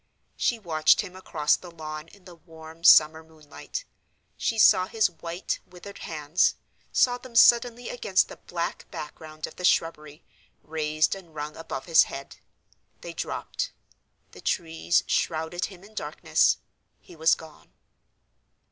She watched him across the lawn in the warm summer moonlight. She saw his white, withered hands, saw them suddenly against the black background of the shrubbery, raised and wrung above his head. They dropped—the trees shrouded him in darkness—he was gone.